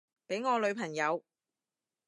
畀我女朋友